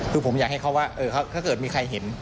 คือผมอยากให้เขาว่าถ้าเกิดมีใครเห็น